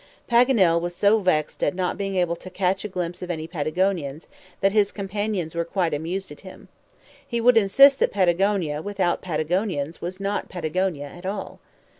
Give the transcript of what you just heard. Paganel was so vexed at not being able to catch a glimpse of any Patagonians, that his companions were quite amused at him. He would insist that Patagonia without Patagonians was not Patagonia at all.